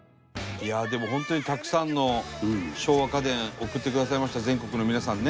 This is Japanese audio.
でも、本当にたくさんの昭和家電送ってくださいました全国の皆さんね。